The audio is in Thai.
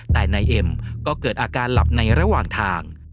แต่นายเอ็มก็เกิดอาการหลับในระหว่างทาง